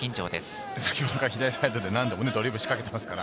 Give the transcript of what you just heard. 先ほどから左サイドで何度もドリブル仕掛けてますから。